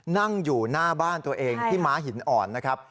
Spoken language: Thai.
นั่งอยู่หน้าบ้านตัวเองที่ม้าหินอ่อนนะครับ